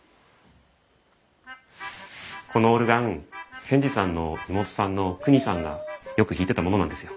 このオルガン賢治さんの妹さんのクニさんがよく弾いてたものなんですよ。